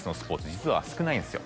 実は少ないんですよ